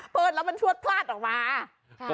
เปิดแล้วมันชวดพลาดออกมา